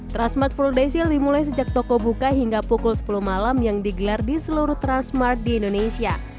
transmart full day sale dimulai sejak toko buka hingga pukul sepuluh malam yang digelar di seluruh transmart di indonesia